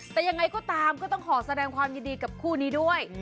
แต่ยังไงก็ตามก็ต้องขอแสดงความยินดีกับคู่นี้ด้วย